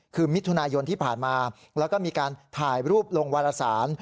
คือมิถุนายนที่ผ่านมาแล้วก็มีการถ่ายรูปลงวารสาร